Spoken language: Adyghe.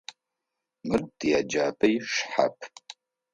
Мыр тиеджапӏэ ишхапӏ.